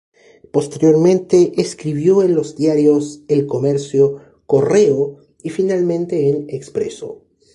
Posteriormente escribió en los diarios "El Comercio", "Correo" y finalmente en "Expreso".